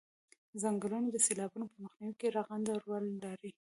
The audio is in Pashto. څنګلونه د سیلابونو په مخنیوي کې رغنده رول لري